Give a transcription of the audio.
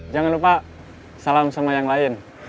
jangan lupa salam sama yang lain